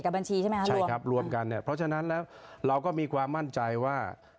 บัญชีใช่ไหมครับใช่ครับรวมกันเนี่ยเพราะฉะนั้นแล้วเราก็มีความมั่นใจว่า